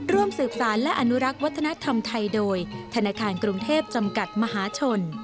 ร่วมสืบสารและอนุรักษ์วัฒนธรรมไทยโดยธนาคารกรุงเทพจำกัดมหาชน